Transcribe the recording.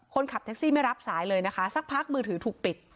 คนขับแท็กซี่ไม่รับสายเลยนะคะสักพักมือถือถูกปิด